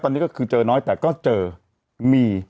ตอนนี้ก็คือเจอน้อยแต่ก็เจอมี